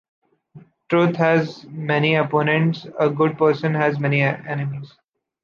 Truth has many opponents, a good person has many enemies.